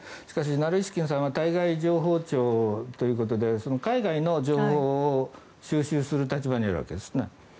しかし、ナルイシキンさんは対外情報庁ということで海外の情報を収集する立場にあるわけですね。